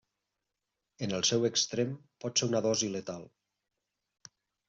En el seu extrem, pot ser una dosi letal.